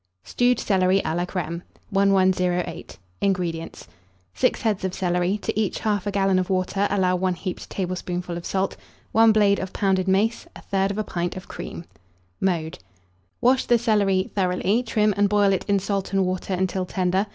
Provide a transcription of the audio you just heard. STEWED CELERY A LA CREME. 1108. INGREDIENTS. 6 heads of celery; to each 1/2 gallon of water allow 1 heaped tablespoonful of salt, 1 blade of pounded mace, 1/3 pint of cream. Mode. Wash the celery thoroughly; trim, and boil it in salt and water until tender.